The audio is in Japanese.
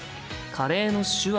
「カレー」の手話